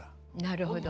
なるほど。